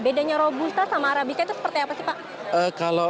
bedanya robusta sama arabica itu seperti apa sih pak